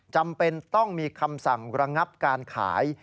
จำเป็นต้องมีคำสั่งระงับการขาย